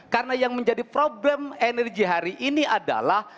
karena yang menjadi problem energi hari ini adalah